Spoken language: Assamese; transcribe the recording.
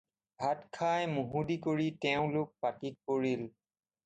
ভাত খাই, মুহুদি কৰি তেওঁলোক পাটীত পৰিল।